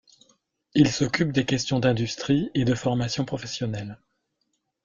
Il s'occupe des questions d'industrie et de formation professionnelle.